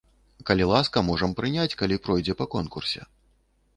Калі ласка, можам прыняць, калі пройдзе па конкурсе.